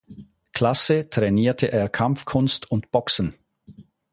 Klasse trainierte er Kampfkunst und Boxen.